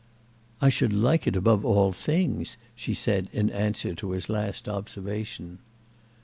"I should like it above all things," she said in answer to his last observation.